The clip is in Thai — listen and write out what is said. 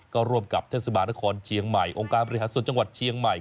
ก็ร่วมกับเทศบาลนครเชียงใหม่องค์การบริหารส่วนจังหวัดเชียงใหม่